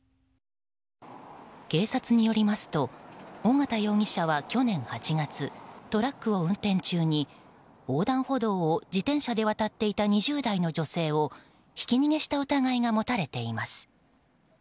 警察によりますと、緒方容疑者は去年８月、トラックを運転中に横断歩道を自転車で渡っていた２０代の女性をひき逃げした疑いが持たれています。